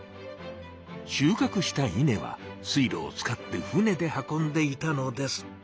しゅうかくしたイネは水路を使ってふねで運んでいたのです。